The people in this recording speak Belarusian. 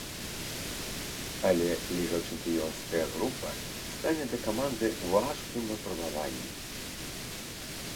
Але лігачэмпіёнская група стане для каманды важкім выпрабаваннем.